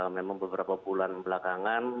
memang beberapa bulan belakangan